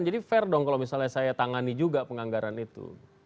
jadi fair dong kalau misalnya saya tangani juga penganggaran itu